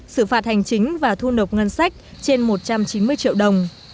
xử phạt hành chính và thu nộp ngân sách trên một trăm chín mươi triệu đồng